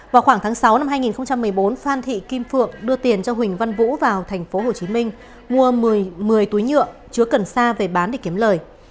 vào khoảng tháng sáu năm hai nghìn một mươi bốn phan thị kim phượng đưa tiền cho huỳnh văn vũ vào tp hcm mua một mươi túi nhựa chứa cần sa về bán để kiếm lời